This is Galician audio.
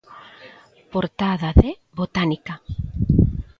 Portada de 'Botánica'.